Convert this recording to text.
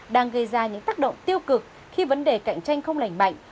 đang gây ra những tác động tiêu cực khi vấn đề cạnh tranh không lành mạnh